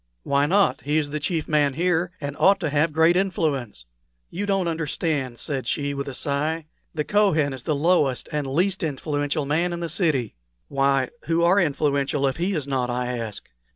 "Why not? He is the chief man here, and ought to have great influence." "You don't understand," said she, with a sigh. "The Kohen is the lowest and least influential man in the city." "Why, who are influential if he is not?" I asked.